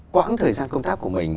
quãng thời gian công tác của mình